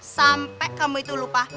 sampe kamu itu lupa